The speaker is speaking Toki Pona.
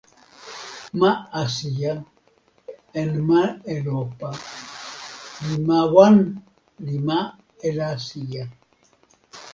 ma Asija en ma Elopa li ma wan li ma Elasija.